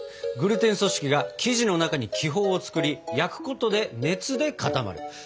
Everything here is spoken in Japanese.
グルテン組織が生地の中に気泡を作り焼くことで熱で固まる。